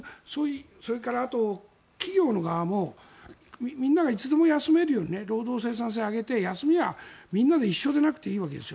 それからあと企業側もみんながいつでも休めるように労働生産性を上げて休みはみんな一緒でなくていいわけですよ。